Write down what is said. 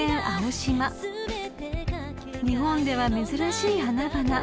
［日本では珍しい花々］